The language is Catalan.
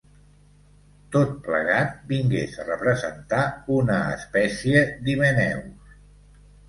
Tot plegat vingués a representar una espècie d'Himeneus